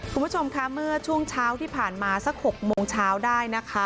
คุณผู้ชมค่ะเมื่อช่วงเช้าที่ผ่านมาสัก๖โมงเช้าได้นะคะ